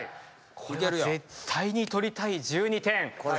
これは絶対に取りたい１２点。